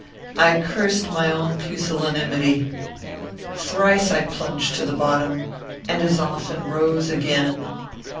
"I cursed my own pusillanimity. Thrice I plunged to the bottom, and as often rose again.